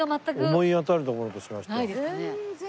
思い当たるところとしましては。